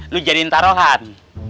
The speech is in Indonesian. lu jadi taruhan